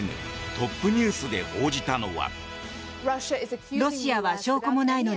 トップニュースで報じたのは。